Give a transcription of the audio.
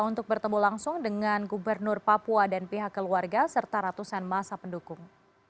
untuk bertemu langsung dengan gubernur papua dan pihak keluarga serta ratusan masa pendukung